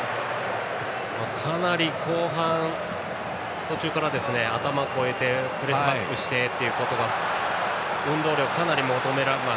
後半の途中から頭を越えてプレスバックしてということで運動量がかなり求められて。